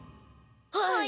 はい。